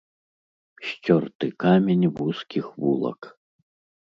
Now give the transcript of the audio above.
Сцёрты камень вузкіх вулак.